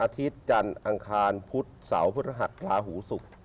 อาทิตย์จันทร์อังคารพุธสาวพฤติฮัตรลาหูสุข